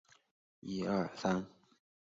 齐王为他们修建豪宅。